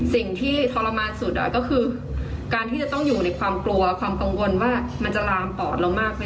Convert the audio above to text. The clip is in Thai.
สิ่งที่ทรมานสุดก็คือการที่จะต้องอยู่ในความกลัวความกังวลว่ามันจะลามปอดเรามากไหม